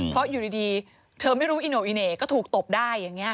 เพราะอยู่ดีเธอไม่รู้อิโน่อีเหน่ก็ถูกตบได้อย่างนี้